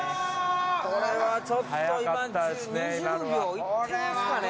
これはちょっと今２０秒いってますかね？